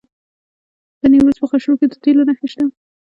د نیمروز په خاشرود کې د تیلو نښې شته.